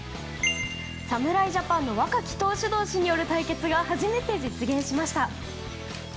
侍ジャパンの若き投手同士による対決が初めて実現しました。